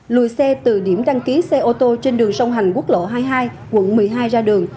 lùi xe từ điểm đăng ký xe ô tô trên đường sông hành quốc lộ hai mươi hai quận một mươi hai ra đường